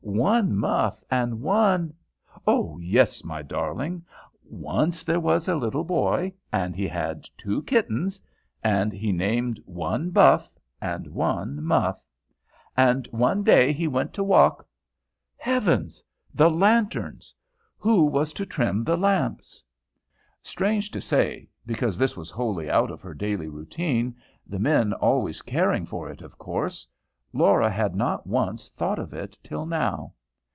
one Muff, and one" "Oh, yes! my darling! once there was a little boy, and he had two kittens, and he named one Buff, and one Muff. And one day he went to walk" Heavens! the lanterns! Who was to trim the lamps? Strange to say, because this was wholly out of her daily routine, the men always caring for it of course, Laura had not once thought of it till now.